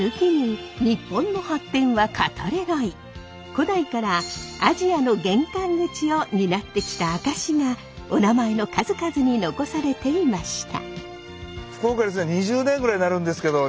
古代からアジアの玄関口を担ってきた証しがお名前の数々に残されていました。